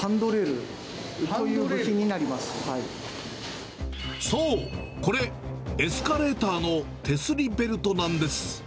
ハンドレールという部品になそう、これ、エスカレーターの手すりベルトなんです。